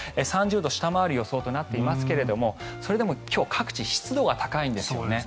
３０度を下回る予想となっていますがそれでも今日、各地湿度が高いんですね。